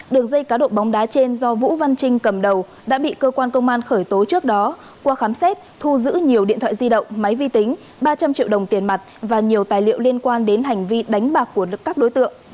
đường dây cá độ bóng đá trên do vũ văn trinh cầm đầu đã bị cơ quan công an khởi tố trước đó qua khám xét thu giữ nhiều điện thoại di động máy vi tính ba trăm linh triệu đồng tiền mặt và nhiều tài liệu liên quan đến hành vi đánh bạc của các đối tượng